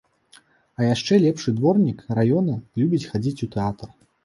А яшчэ лепшы дворнік раёна любіць хадзіць у тэатр.